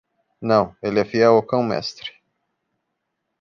Não, ele é fiel ao cão mestre.